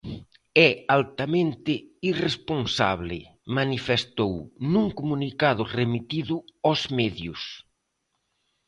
"É altamente irresponsable", manifestou nun comunicado remitido aos medios.